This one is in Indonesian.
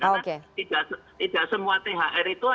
karena tidak semua thr itu